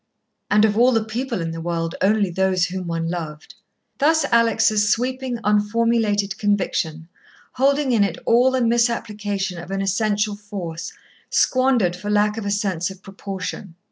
And of all the people in the world, only those whom one loved. Thus Alex' sweeping, unformulated conviction, holding in it all the misapplication of an essential force, squandered for lack of a sense of proportion.